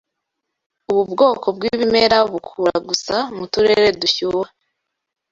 Ubu bwoko bwibimera bukura gusa mu turere dushyuha.